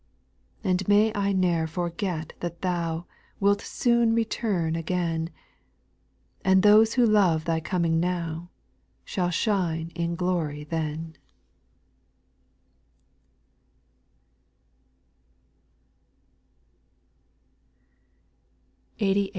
5, ,' And may I ne'er forget that Thou Wilt soon return again, And those who love Thy coming now, Shall shine in glory Wvetv.